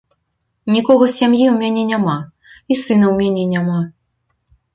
Нікога з сям'і ў мяне няма, і сына ў мяне няма!